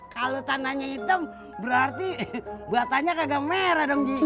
kalau tanahnya hitam berarti bataknya kagak merah dong gie